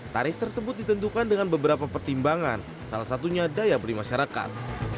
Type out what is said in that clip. tarif tersebut ditentukan dengan beberapa pertimbangan salah satunya daya beli masyarakat